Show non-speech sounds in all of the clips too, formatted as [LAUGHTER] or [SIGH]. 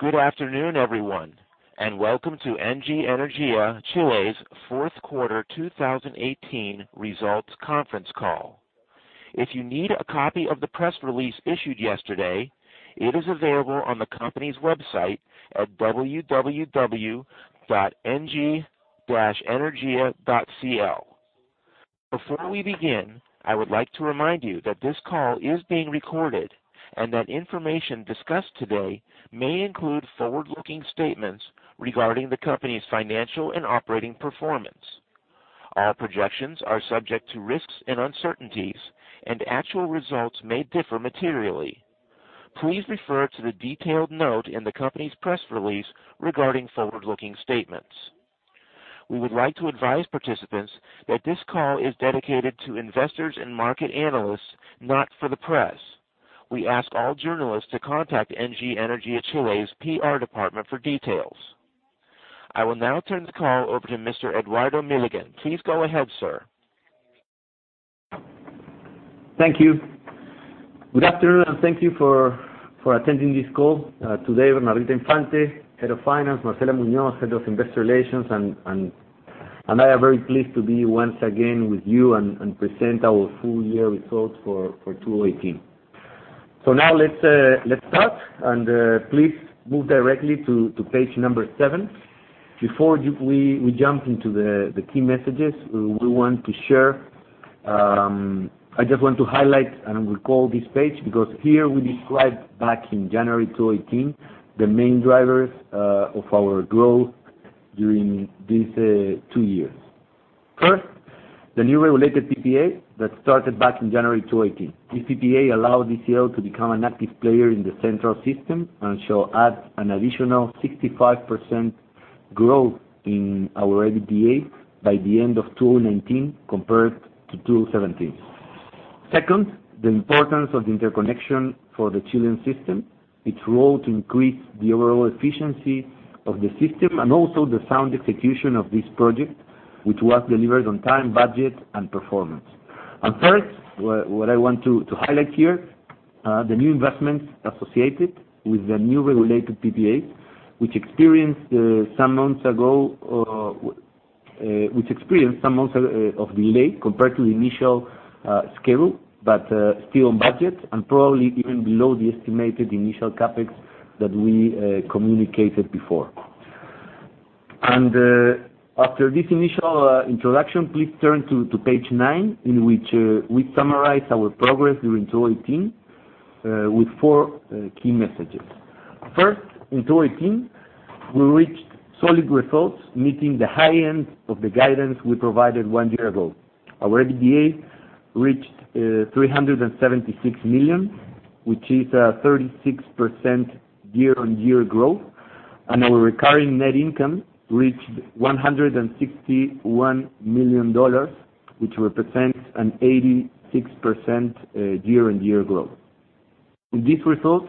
Good afternoon, everyone. Welcome to ENGIE Energía Chile's fourth quarter 2018 results conference call. If you need a copy of the press release issued yesterday, it is available on the company's website at www.engie-energia.cl. Before we begin, I would like to remind you that this call is being recorded. That information discussed today may include forward-looking statements regarding the company's financial and operating performance. All projections are subject to risks and uncertainties. Actual results may differ materially. Please refer to the detailed note in the company's press release regarding forward-looking statements. We would like to advise participants that this call is dedicated to investors and market analysts, not for the press. We ask all journalists to contact ENGIE Energía Chile's PR department for details. I will now turn the call over to Mr. Eduardo Milligan. Please go ahead, sir. Thank you. Good afternoon. Thank you for attending this call. Today, Bernardita Infante, Head of Finance, Marcela Muñoz, Head of Investor Relations, and I are very pleased to be once again with you and present our full-year results for 2018. Now let's start. Please move directly to page number seven. Before we jump into the key messages we want to share, I just want to highlight and recall this page. Here we described back in January 2018 the main drivers of our growth during these two years. First, the new regulated PPA that started back in January 2018. This PPA allowed ECL to become an active player in the central system and shall add an additional 65% growth in our EBITDA by the end of 2019 compared to 2017. Second, the importance of the interconnection for the Chilean system, its role to increase the overall efficiency of the system, also the sound execution of this project, which was delivered on time, budget, and performance. Third, what I want to highlight here, the new investments associated with the new regulated PPA, which experienced some months of delay compared to the initial schedule, still on budget and probably even below the estimated initial CapEx that we communicated before. After this initial introduction, please turn to page nine, in which we summarize our progress during 2018 with four key messages. First, in 2018, we reached solid results, meeting the high end of the guidance we provided one year ago. Our EBITDA reached $376 million, which is a 36% year-on-year growth. Our recurring net income reached $161 million, which represents an 86% year-on-year growth. In these results,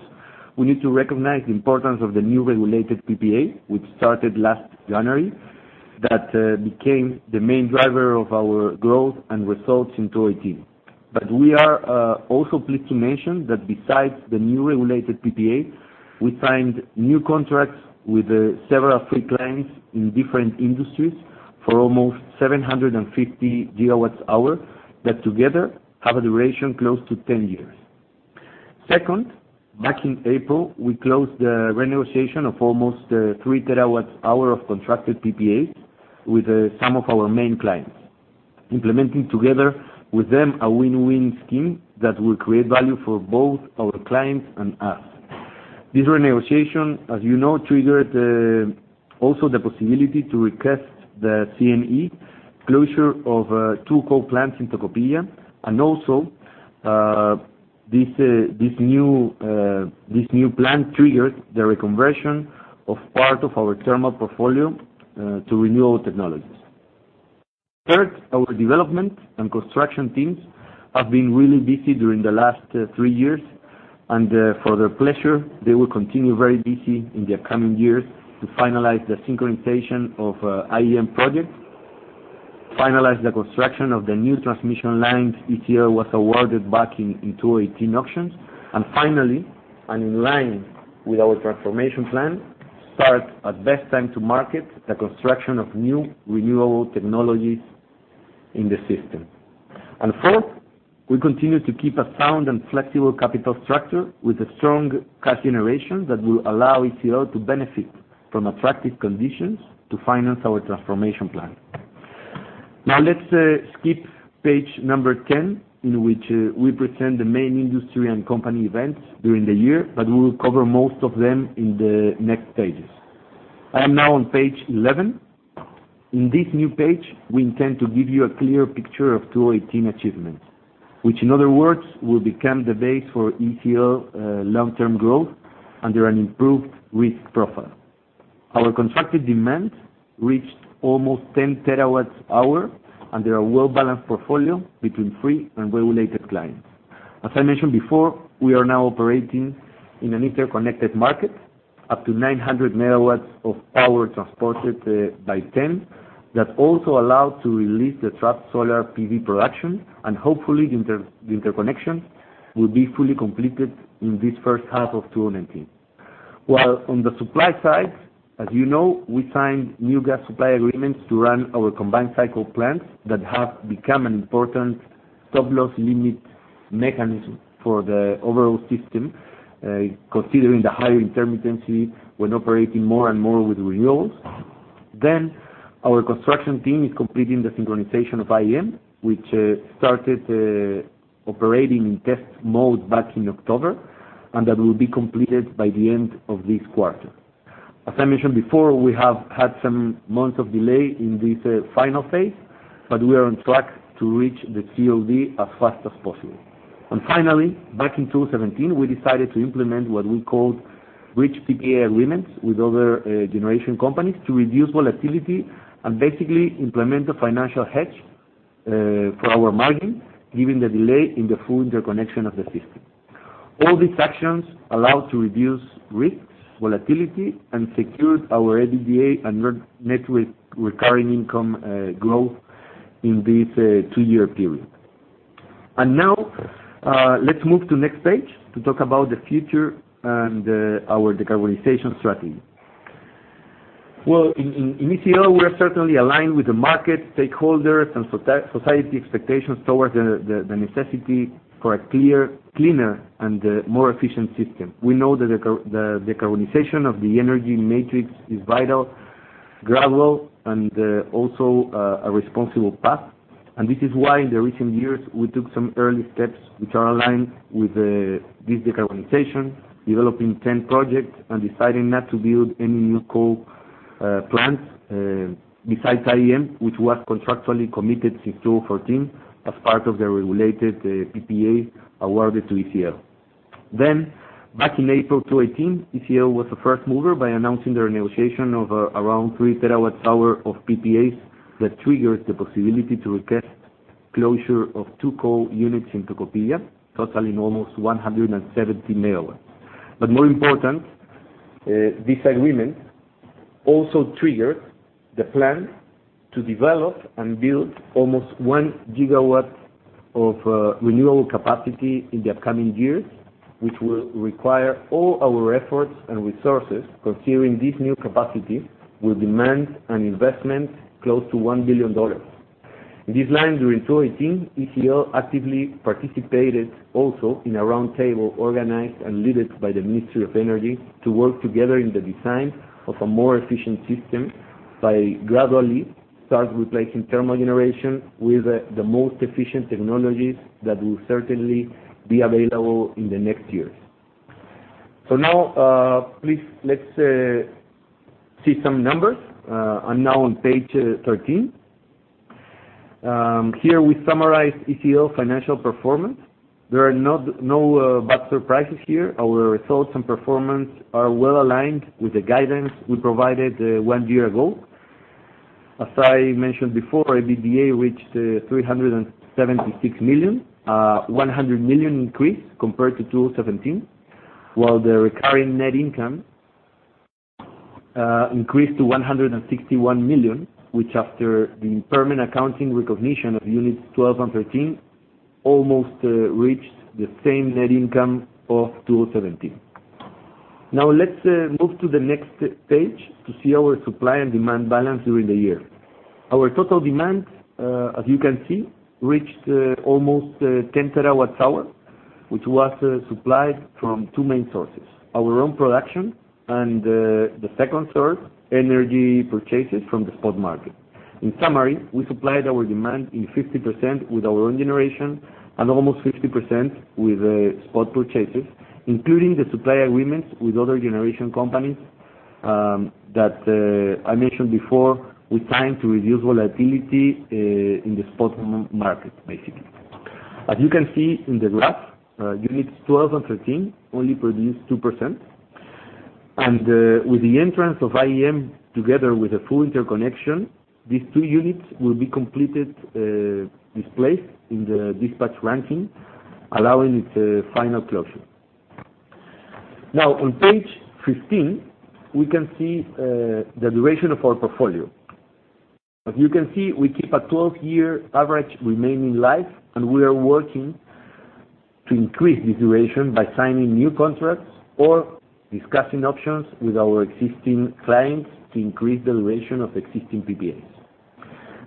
we need to recognize the importance of the new regulated PPA, which started last January, that became the main driver of our growth and results in 2018. We are also pleased to mention that besides the new regulated PPA, we signed new contracts with several free clients in different industries for almost 750 GWh that together have a duration close to 10 years. Second, back in April, we closed the renegotiation of almost 3 TWh of contracted PPAs with some of our main clients, implementing together with them a win-win scheme that will create value for both our clients and us. This renegotiation, as you know, triggered also the possibility to request the CME closure of two coal plants in Tocopilla. Also this new plan triggered the reconversion of part of our thermal portfolio to renewable technologies. Third, our development and construction teams have been really busy during the last three years, for their pleasure, they will continue very busy in the upcoming years to finalize the synchronization of IEM projects, finalize the construction of the new transmission lines ECL was awarded back in 2018 auctions, finally, in line with our transformation plan, start at best time to market the construction of new renewable technologies in the system. Fourth, we continue to keep a sound and flexible capital structure with a strong cash generation that will allow ECL to benefit from attractive conditions to finance our transformation plan. Let's skip page 10, in which we present the main industry and company events during the year, but we will cover most of them in the next pages. I am now on page 11. In this new page, we intend to give you a clear picture of 2018 achievements, which in other words, will become the base for ECL long-term growth under an improved risk profile. Our contracted demand reached almost 10 TWh under a well-balanced portfolio between free and regulated clients. As I mentioned before, we are now operating in an interconnected market, up to 900 MW of power transported by TEN, that also allow to release the trapped solar PV production, hopefully the interconnection will be fully completed in this first half of 2019. On the supply side, as you know, we signed new gas supply agreements to run our combined cycle plants that have become an important top-loss limit mechanism for the overall system, considering the higher intermittency when operating more and more with renewables. Our construction team is completing the synchronization of IEM, which started operating in test mode back in October, that will be completed by the end of this quarter. As I mentioned before, we have had some months of delay in this final phase, but we are on track to reach the COD as fast as possible. Finally, back in 2017, we decided to implement what we called bridge PPA agreements with other generation companies to reduce volatility and basically implement a financial hedge for our margin, given the delay in the full interconnection of the system. All these actions allow to reduce risks, volatility, and secured our EBITDA and net recurring income growth in this two-year period. Now, let's move to next page to talk about the future and our decarbonization strategy. In ECL, we're certainly aligned with the market, stakeholders, and society expectations towards the necessity for a cleaner and more efficient system. We know the decarbonization of the energy matrix is vital, gradual, and also a responsible path. This is why in the recent years, we took some early steps which are aligned with this decarbonization, developing 10 projects and deciding not to build any new coal plants, besides IEM, which was contractually committed since 2014 as part of the regulated PPA awarded to ECL. Back in April 2018, ECL was a first mover by announcing the negotiation of around 3 TWh of PPAs that triggered the possibility to request closure of two coal units in Tocopilla, totaling almost 170 MW. More important, this agreement also triggered the plan to develop and build almost 1 GW of renewable capacity in the upcoming years, which will require all our efforts and resources, considering this new capacity will demand an investment close to $1 billion. In these lines, during 2018, ECL actively participated also in a round table organized and led by the Ministry of Energy to work together in the design of a more efficient system by gradually start replacing thermal generation with the most efficient technologies that will certainly be available in the next years. Now, please, let's see some numbers. I'm now on page 13. Here we summarize ECL financial performance. There are no bad surprises here. Our results and performance are well-aligned with the guidance we provided one year ago. As I mentioned before, EBITDA reached $376 million, $100 million increase compared to 2017, while the recurring net income increased to $161 million, which after the impairment accounting recognition of units 12 and 13, almost reached the same net income of 2017. Now let's move to the next page to see our supply and demand balance during the year. Our total demand, as you can see, reached almost 10 TWh, which was supplied from two main sources, our own production, and the second source, energy purchases from the spot market. In summary, we supplied our demand in 50% with our own generation and almost 50% with spot purchases, including the supply agreements with other generation companies, that I mentioned before, we signed to reduce volatility in the spot market, basically. As you can see in the graph, units 12 and 13 only produce 2%, and with the entrance of IEM together with a full interconnection, these two units will be completely displaced in the dispatch ranking, allowing its final closure. Now on page 15, we can see the duration of our portfolio. As you can see, we keep a 12-year average remaining life, and we are working to increase this duration by signing new contracts or discussing options with our existing clients to increase the duration of existing PPAs.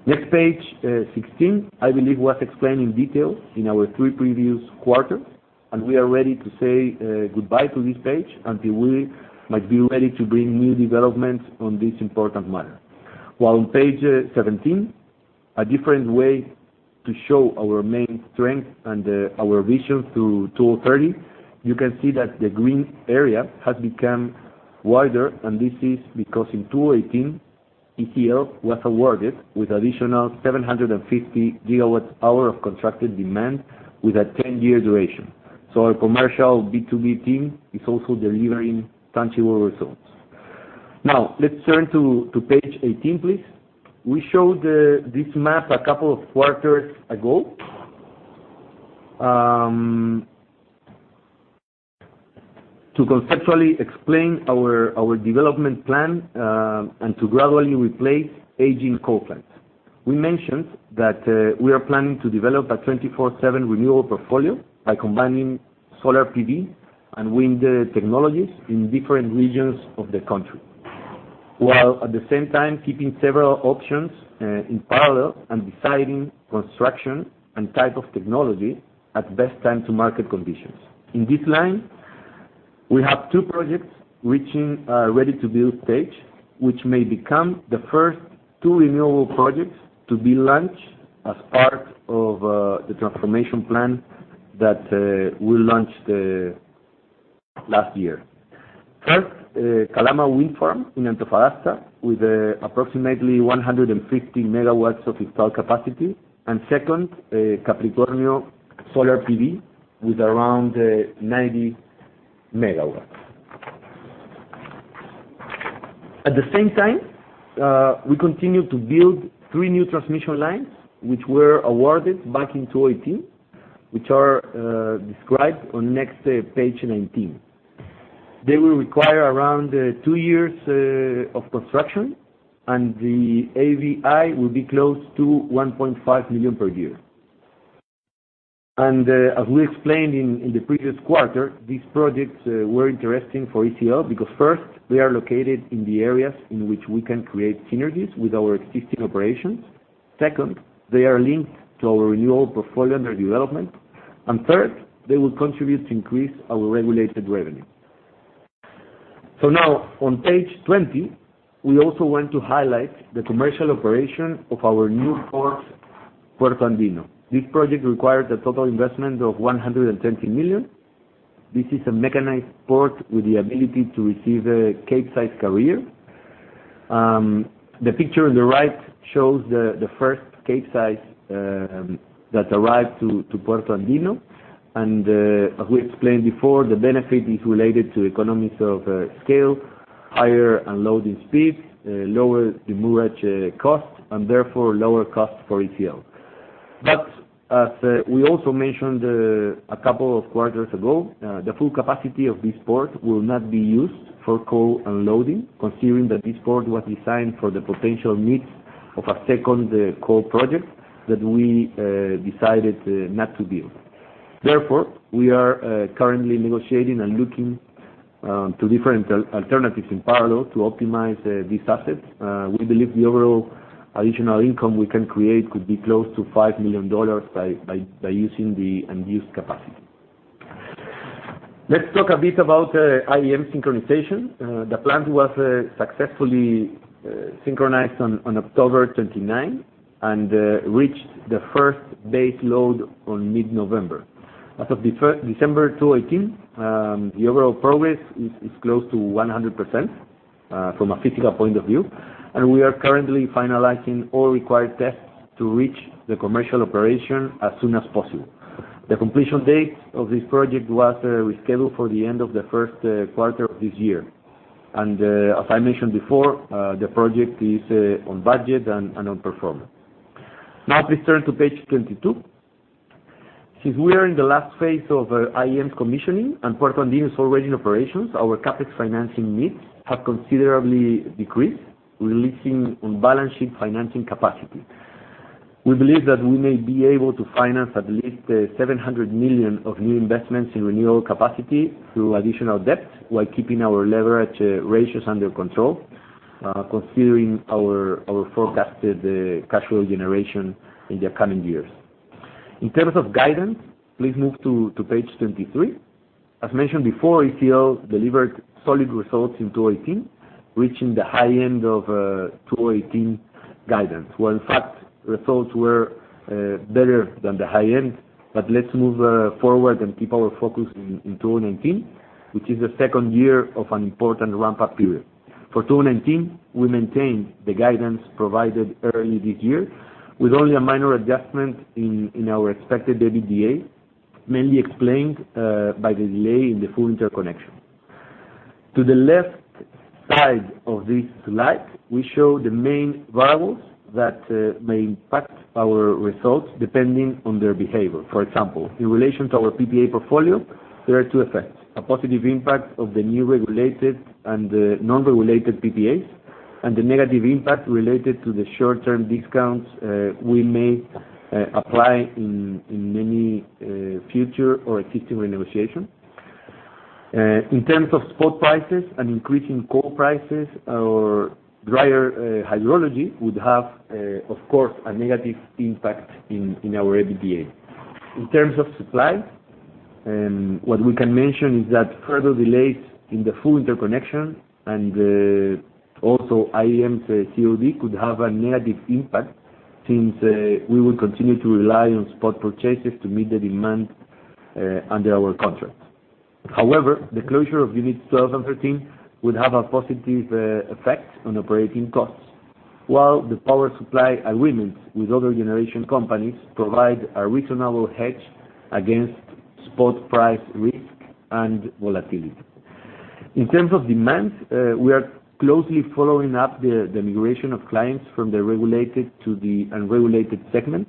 Next page 16, I believe was explained in detail in our three previous quarters, and we are ready to say goodbye to this page until we might be ready to bring new developments on this important matter. On page 17, a different way to show our main strength and our vision through 2030, you can see that the green area has become wider, and this is because in 2018, ECL was awarded with additional 750 GWh of contracted demand with a 10-year duration. Our commercial B2B team is also delivering tangible results. Now let's turn to page 18, please. We showed this map a couple of quarters ago, to conceptually explain our development plan, and to gradually replace aging coal plants. We mentioned that we are planning to develop a 24/7 renewable portfolio by combining solar PV and wind technologies in different regions of the country, while at the same time keeping several options in parallel and deciding construction and type of technology at best time to market conditions. In this line, we have two projects reaching ready-to-build stage, which may become the first two renewable projects to be launched as part of the transformation plan that we launched last year. First, Calama Wind Farm in Antofagasta, with approximately 150 MW of installed capacity, and second, Capricornio Solar PV with around 90 MW. At the same time, we continue to build three new transmission lines, which were awarded back in 2018, which are described on next page 19. They will require around two years of construction, and the AVI will be close to $1.5 million per year. As we explained in the previous quarter, these projects were interesting for ECL because first, they are located in the areas in which we can create synergies with our existing operations. Second, they are linked to our renewal portfolio under development. Third, they will contribute to increase our regulated revenue. Now on page 20, we also want to highlight the commercial operation of our new port, Puerto Andino. This project required a total investment of $130 million. This is a mechanized port with the ability to receive a Capesize carrier. The picture on the right shows the first Capesize that arrived to Puerto Andino. As we explained before, the benefit is related to economies of scale, higher unloading speeds, lower demurrage cost, and therefore lower cost for ECL. As we also mentioned a couple of quarters ago, the full capacity of this port will not be used for coal unloading, considering that this port was designed for the potential needs of a second coal project that we decided not to build. Therefore, we are currently negotiating and looking to different alternatives in parallel to optimize this asset. We believe the overall additional income we can create could be close to $5 million by using the unused capacity. Let's talk a bit about IEM synchronization. The plant was successfully synchronized on October 29 and reached the first base load on mid-November. As of December 2018, the overall progress is close to 100% from a physical point of view, and we are currently finalizing all required tests to reach the commercial operation as soon as possible. The completion date of this project was rescheduled for the end of the first quarter of this year. As I mentioned before, the project is on budget and on performance. Now please turn to page 22. Since we are in the last phase of IEM's commissioning and Puerto Andino is already in operations, our CapEx financing needs have considerably decreased, releasing on-balance sheet financing capacity. We believe that we may be able to finance at least $700 million of new investments in renewable capacity through additional debt, while keeping our leverage ratios under control, considering our forecasted cash flow generation in the coming years. In terms of guidance, please move to page 23. As mentioned before, ECL delivered solid results in 2018, reaching the high end of 2018 guidance. Well, in fact, results were better than the high end. Let's move forward and keep our focus in 2019, which is the second year of an important ramp-up period. For 2019, we maintained the guidance provided early this year with only a minor adjustment in our expected EBITDA, mainly explained by the delay in the full interconnection. To the left side of this slide, we show the main variables that may impact our results depending on their behavior. For example, in relation to our PPA portfolio, there are two effects, a positive impact of the new regulated and the non-regulated PPAs, and the negative impact related to the short-term discounts we may apply in any future or existing renegotiation. In terms of spot prices and increasing coal prices or drier hydrology would have, of course, a negative impact in our EBITDA. In terms of supply, what we can mention is that further delays in the full interconnection and also IEM's COD could have a negative impact, since we will continue to rely on spot purchases to meet the demand under our contract. However, the closure of units 12 and 13 would have a positive effect on operating costs. While the power supply agreements with other generation companies provide a reasonable hedge against spot price risk and volatility. In terms of demand, we are closely following up the migration of clients from the regulated to the unregulated segment.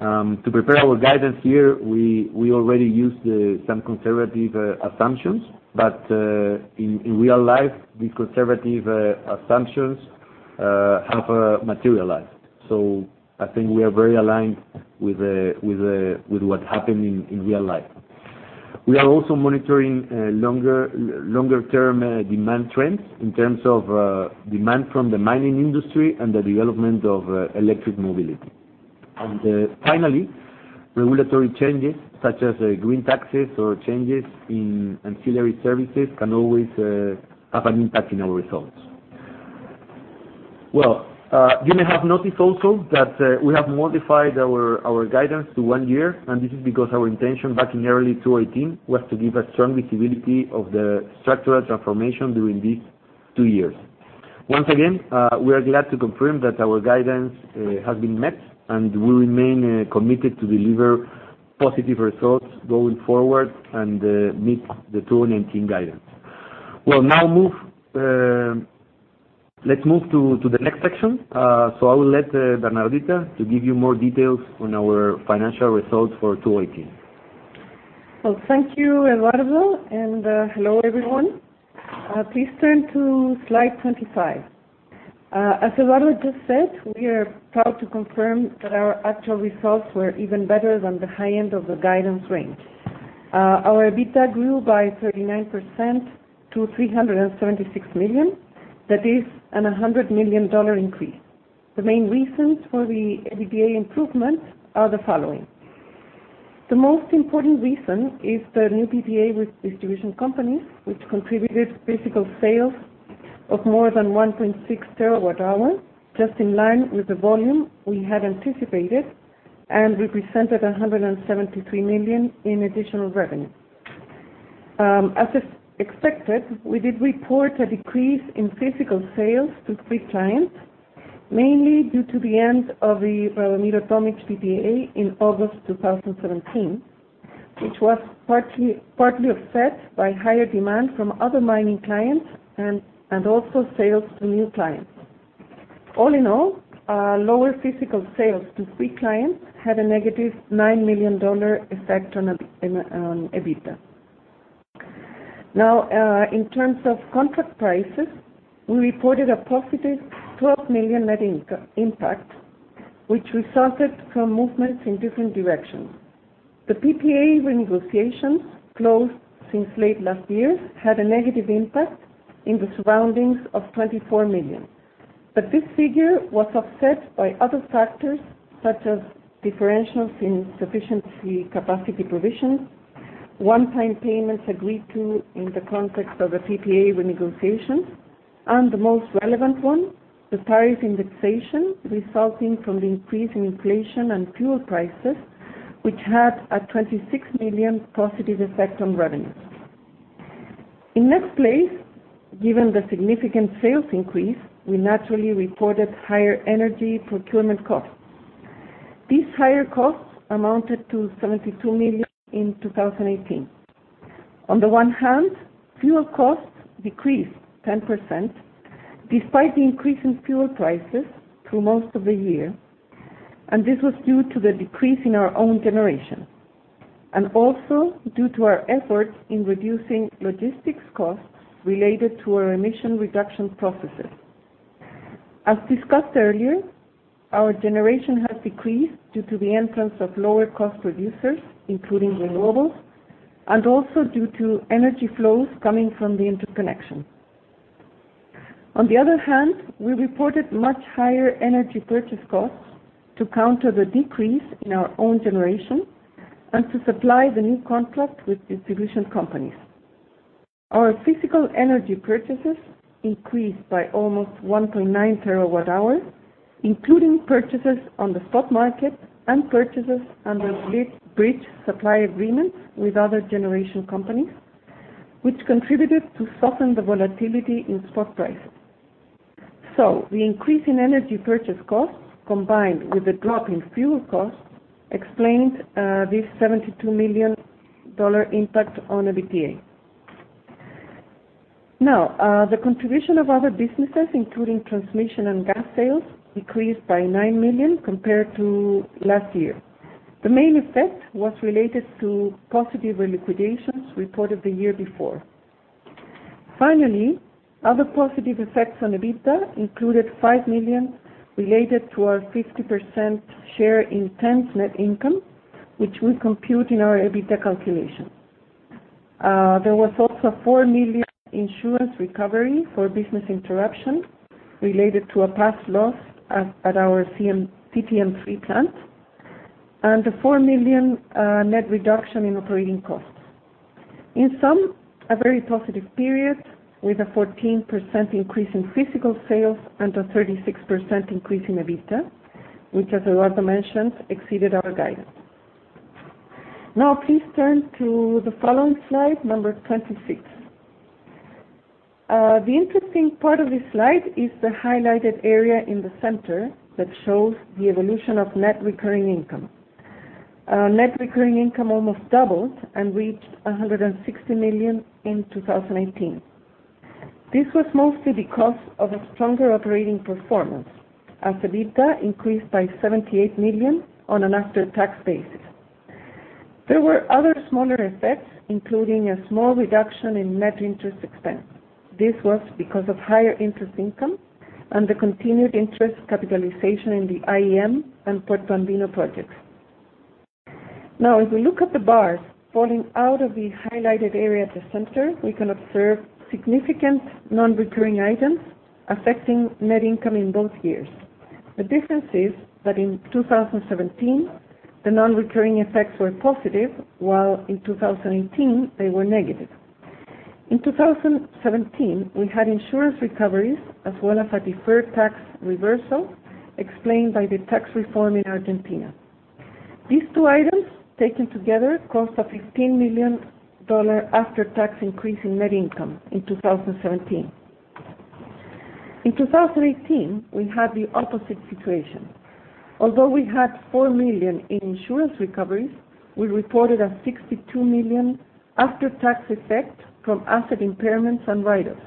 To prepare our guidance here, we already used some conservative assumptions, but in real life, these conservative assumptions have materialized. I think we are very aligned with what happened in real life. We are also monitoring longer-term demand trends in terms of demand from the mining industry and the development of electric mobility. Finally, regulatory changes such as green taxes or changes in ancillary services can always have an impact on our results. Well, you may have noticed also that we have modified our guidance to one year, and this is because our intention back in early 2018 was to give a strong visibility of the structural transformation during these two years. Once again, we are glad to confirm that our guidance has been met, and we remain committed to deliver positive results going forward and meet the 2019 guidance. Well, let's move to the next section. I will let Bernardita to give you more details on our financial results for 2018. Well, thank you, Eduardo. Hello, everyone. Please turn to slide 25. As Eduardo just said, we are proud to confirm that our actual results were even better than the high end of the guidance range. Our EBITDA grew by 39% to $376 million. That is a $100 million increase. The main reasons for the EBITDA improvements are the following. The most important reason is the new PPA with distribution companies, which contributed physical sales of more than 1.6 TWh, just in line with the volume we had anticipated, and represented $173 million in additional revenue. As expected, we did report a decrease in physical sales to three clients, mainly due to the end of the [AUDIO DISTORTION] PPA in August 2017, which was partly offset by higher demand from other mining clients and also sales to new clients. Lower physical sales to three clients had a -$9 million effect on EBITDA. In terms of contract prices, we reported a +$12 million net income impact, which resulted from movements in different directions. The PPA renegotiations closed since late last year had a negative impact in the surroundings of $24 million. This figure was offset by other factors such as differentials in sufficiency capacity provisions, one-time payments agreed to in the context of the PPA renegotiation, and the most relevant one, the tariff indexation resulting from the increase in inflation and fuel prices, which had a $26 million positive effect on revenue. Given the significant sales increase, we naturally reported higher energy procurement costs. These higher costs amounted to $72 million in 2018. Fuel costs decreased 10%, despite the increase in fuel prices through most of the year, and this was due to the decrease in our own generation, and also due to our efforts in reducing logistics costs related to our emission reduction processes. Our generation has decreased due to the entrance of lower-cost producers, including renewables, and also due to energy flows coming from the interconnection. We reported much higher energy purchase costs to counter the decrease in our own generation and to supply the new contract with distribution companies. Our physical energy purchases increased by almost 1.9 TWh, including purchases on the spot market and purchases under bridge supply agreements with other generation companies, which contributed to soften the volatility in spot prices. The increase in energy purchase costs, combined with the drop in fuel costs, explains this $72 million impact on EBITDA. The contribution of other businesses, including transmission and gas sales, decreased by $9 million compared to last year. The main effect was related to positive liquidations reported the year before. Other positive effects on EBITDA included $5 million related to our 50% share in TEN's net income, which we compute in our EBITDA calculation. There was also a $4 million insurance recovery for business interruption related to a past loss at our CTM3 plant, and a $4 million net reduction in operating costs. A very positive period with a 14% increase in physical sales and a 36% increase in EBITDA, which, as Eduardo mentioned, exceeded our guidance. Please turn to the following slide 26. The interesting part of this slide is the highlighted area in the center that shows the evolution of net recurring income. Net recurring income almost doubled and reached $160 million in 2018. This was mostly because of a stronger operating performance, as EBITDA increased by $78 million on an after-tax basis. There were other smaller effects, including a small reduction in net interest expense. This was because of higher interest income and the continued interest capitalization in the IEM and Puerto Andino projects. As we look at the bars falling out of the highlighted area at the center, we can observe significant non-recurring items affecting net income in both years. The difference is that in 2017, the non-recurring effects were positive, while in 2018, they were negative. In 2017, we had insurance recoveries, as well as a deferred tax reversal explained by the tax reform in Argentina. These two items, taken together, cost a $15 million after-tax increase in net income in 2017. In 2018, we had the opposite situation. Although we had $4 million in insurance recoveries, we reported a $62 million after-tax effect from asset impairments and write-offs,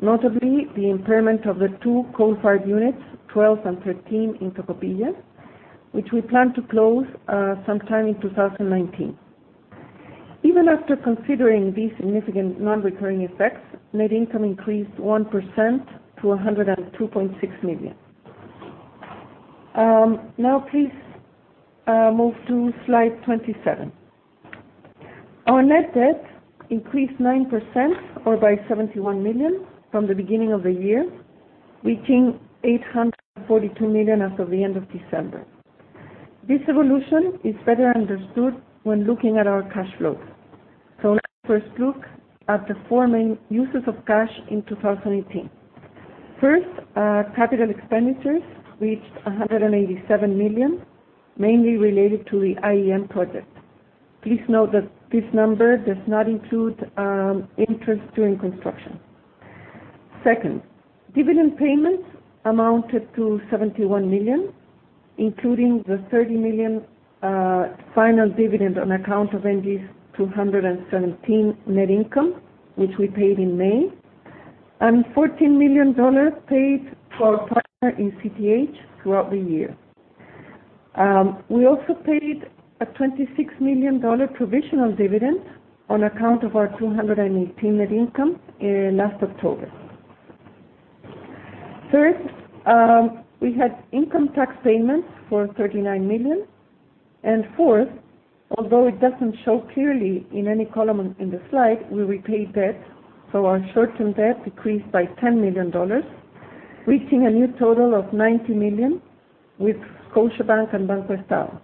notably the impairment of the two coal-fired units, 12 and 13, in Tocopilla, which we plan to close sometime in 2019. Even after considering these significant non-recurring effects, net income increased 1% to $102.6 million. Now please move to slide 27. Our net debt increased 9%, or by $71 million from the beginning of the year, reaching $842 million as of the end of December. This evolution is better understood when looking at our cash flow. Let's first look at the four main uses of cash in 2018. First, capital expenditures reached $187 million, mainly related to the IEM project. Please note that this number does not include interest during construction. Second, dividend payments amounted to $71 million, including the $30 million final dividend on account of ENGIE's 2017 net income, which we paid in May, and $14 million paid to our partner in CTH throughout the year. We also paid a $26 million provisional dividend on account of our 2018 net income last October. Third, we had income tax payments for $39 million. Fourth, although it doesn't show clearly in any column in the slide, we repaid debt. Our short-term debt decreased by $10 million, reaching a new total of $90 million with Scotiabank and BancoEstado.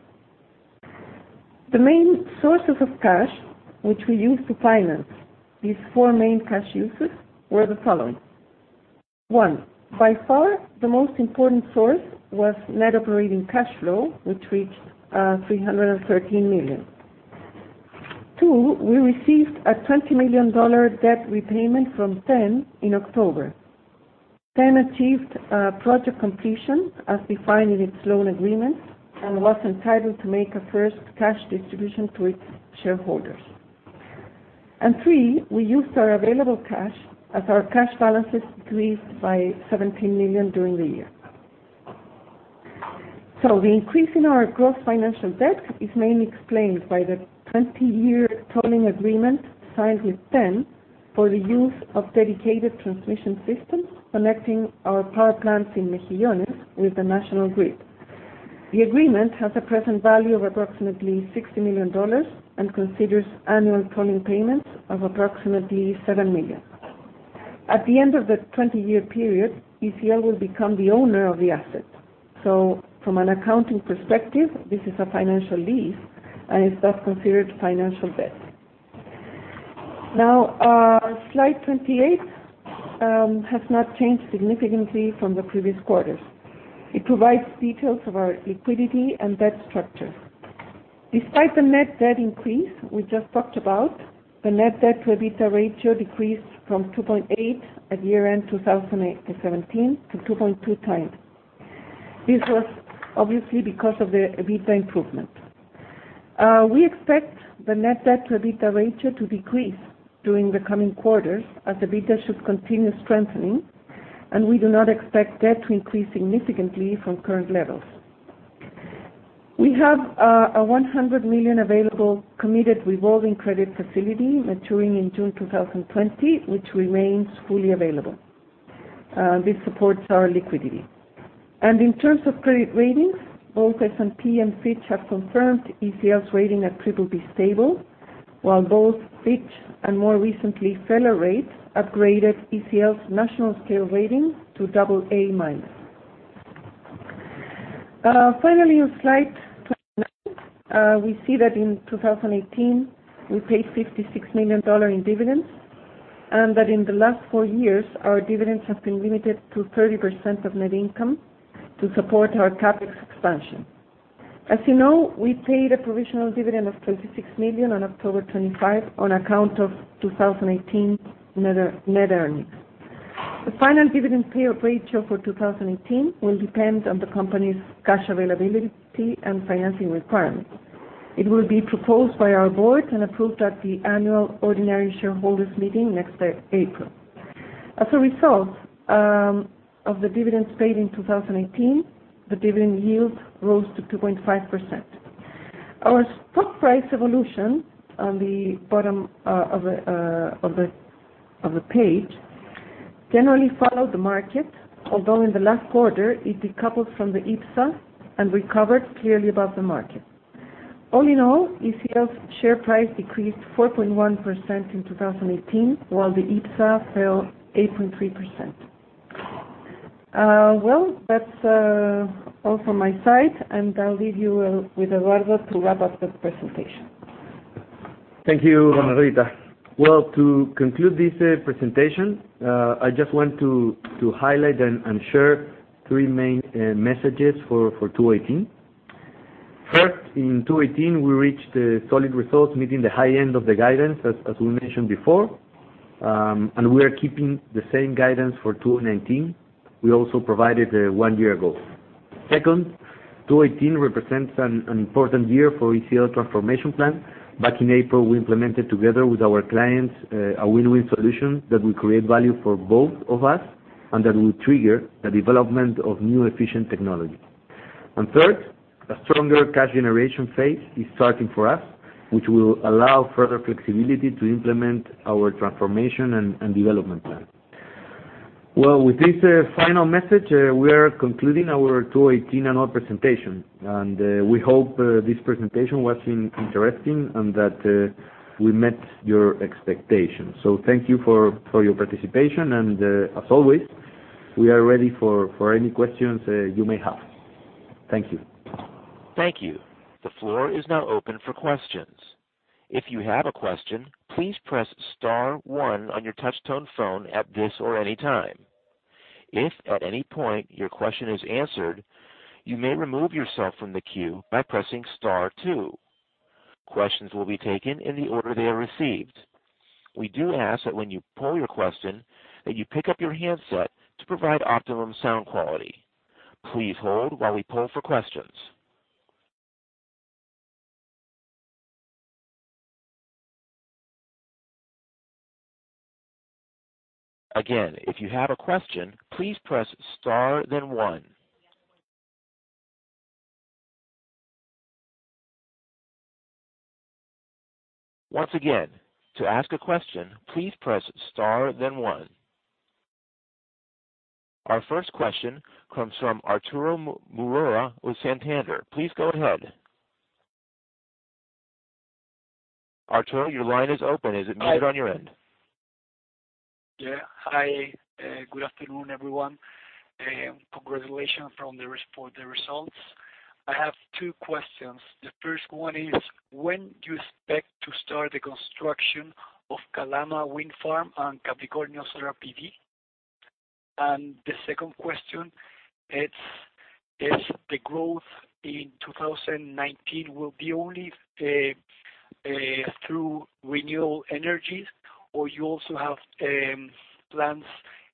The main sources of cash, which we use to finance these four main cash uses, were the following. One, by far, the most important source was net operating cash flow, which reached $313 million. Two, we received a $20 million debt repayment from TEN in October. TEN achieved project completion as defined in its loan agreement and was entitled to make a first cash distribution to its shareholders. Three, we used our available cash as our cash balances decreased by $17 million during the year. The increase in our gross financial debt is mainly explained by the 20-year tolling agreement signed with TEN for the use of dedicated transmission systems connecting our power plants in Mejillones with the national grid. The agreement has a present value of approximately $60 million and considers annual tolling payments of approximately $7 million. At the end of the 20-year period, ECL will become the owner of the asset. From an accounting perspective, this is a financial lease and is thus considered financial debt. Now, our slide 28 has not changed significantly from the previous quarters. It provides details of our liquidity and debt structure. Despite the net debt increase we just talked about, the net debt to EBITDA ratio decreased from 2.8 at year-end 2017 to 2.2x. This was obviously because of the EBITDA improvement. We expect the net debt to EBITDA ratio to decrease during the coming quarters as EBITDA should continue strengthening, and we do not expect debt to increase significantly from current levels. We have a $100 million available committed revolving credit facility maturing in June 2020, which remains fully available. This supports our liquidity. In terms of credit ratings, both S&P and Fitch have confirmed ECL's rating at BBB stable, while both Fitch, and more recently, Feller Rate, upgraded ECL's national scale rating to AA-. Finally, on slide, [AUDIO DISTORTION] we see that in 2018, we paid $56 million in dividends, and that in the last four years, our dividends have been limited to 30% of net income to support our CapEx expansion. As you know, we paid a provisional dividend of $26 million on October 25 on account of 2018 net earnings. The final dividend payout ratio for 2018 will depend on the company's cash availability and financing requirements. It will be proposed by our board and approved at the annual ordinary shareholders meeting next April. As a result of the dividends paid in 2018, the dividend yield rose to 2.5%. Our stock price evolution, on the bottom of the page, generally followed the market, although in the last quarter it decoupled from the IPSA and recovered clearly above the market. All in all, ECL's share price decreased 4.1% in 2018, while the IPSA fell 8.3%. That's all from my side, and I'll leave you with Eduardo to wrap up the presentation. Thank you, Bernardita. To conclude this presentation, I just want to highlight and share three main messages for 2018. First, in 2018, we reached solid results, meeting the high end of the guidance, as we mentioned before. We are keeping the same guidance for 2019. We also provided one year ago. Second, 2018 represents an important year for ECL transformation plan. Back in April, we implemented together with our clients, a win-win solution that will create value for both of us and that will trigger the development of new efficient technology. Third, a stronger cash generation phase is starting for us, which will allow further flexibility to implement our transformation and development plan. With this final message, we are concluding our 2018 annual presentation. We hope this presentation was interesting and that we met your expectations. Thank you for your participation, and as always, we are ready for any questions you may have. Thank you. Thank you. The floor is now open for questions. If you have a question, please press star one on your touch tone phone at this or any time. If at any point your question is answered, you may remove yourself from the queue by pressing star two. Questions will be taken in the order they are received. We do ask that when you pose your question, that you pick up your handset to provide optimum sound quality. Please hold while we poll for questions. Again, if you have a question, please press star, then one. Once again, to ask a question, please press star, then one. Our first question comes from Arturo Murúa with Santander. Please go ahead. Arturo, your line is open. Is it muted on your end? Hi, good afternoon, everyone. Congratulations for the results. I have two questions. The first one is: When do you expect to start the construction of Calama Wind Farm and Capricornio Solar PV? The second question: If the growth in 2019 will be only through renewable energies, or you also have plans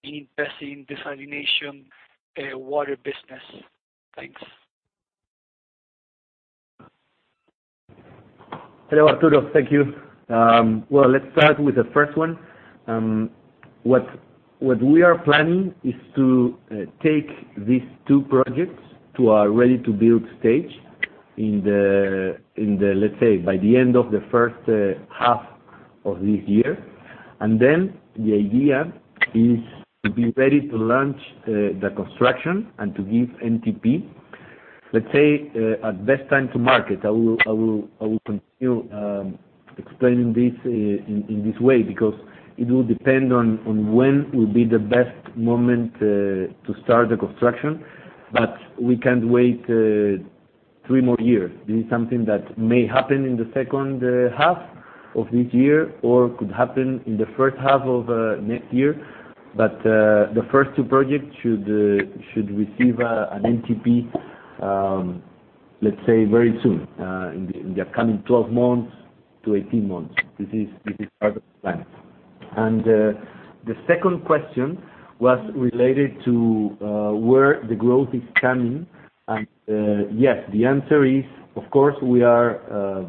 in investing desalination water business? Thanks. Hello, Arturo. Thank you. Let's start with the first one. What we are planning is to take these two projects to a ready-to-build stage in the, let's say, by the end of the first half of this year. The idea is to be ready to launch the construction and to give NTP, let's say, at the best time to market. I will continue explaining this in this way because it will depend on when will be the best moment to start the construction, but we can't wait three more years. This is something that may happen in the second half of this year, or could happen in the first half of next year. The first two projects should receive an NTP, let's say, very soon, in the coming 12 months-18 months. This is part of the plan. The second question was related to where the growth is coming, and yes, the answer is, of course, we are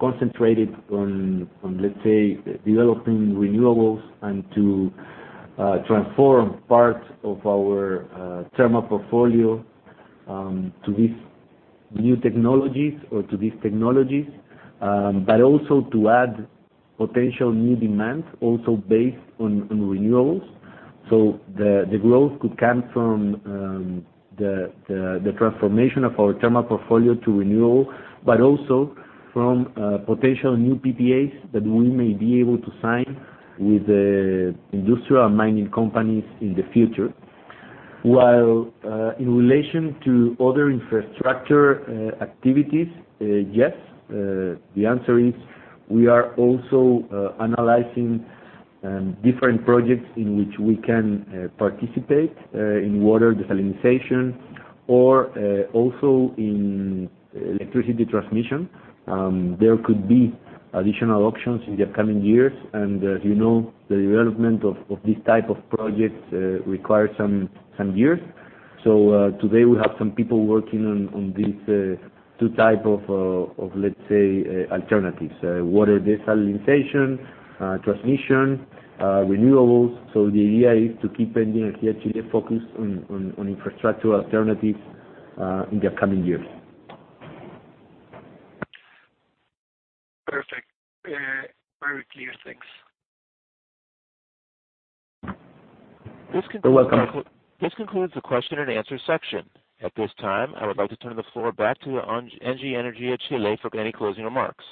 concentrated on, let's say, developing renewables and to transform parts of our thermal portfolio, to these new technologies or to these technologies. Also to add potential new demands, also based on renewables. The growth could come from the transformation of our thermal portfolio to renewable, but also from potential new PPAs that we may be able to sign with industrial mining companies in the future. While in relation to other infrastructure activities, yes, the answer is, we are also analyzing different projects in which we can participate in water desalinization or also in electricity transmission. There could be additional options in the upcoming years. As you know, the development of these type of projects requires some years. Today we have some people working on these two type of, let's say, alternatives. Water desalinization, transmission, renewables. The idea is to keep ENGIE Energía Chile focused on infrastructure alternatives in the upcoming years. Perfect. Very clear. Thanks. This concludes. You're welcome. This concludes the question and answer section. At this time, I would like to turn the floor back to ENGIE Energía Chile for any closing remarks.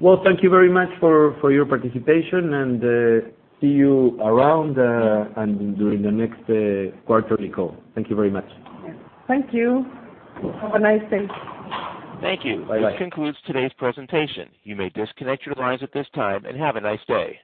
Well, thank you very much for your participation, and see you around and during the next quarterly call. Thank you very much. Thank you. Have a nice day. Thank you. Bye. This concludes today's presentation. You may disconnect your lines at this time and have a nice day.